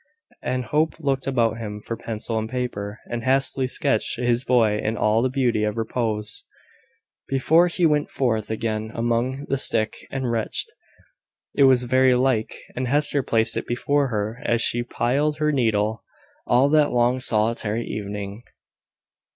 And Hope looked about him for pencil and paper, and hastily sketched his boy in all the beauty of repose, before he went forth again among the sick and wretched. It was very like; and Hester placed it before her as she plied her needle, all that long solitary evening.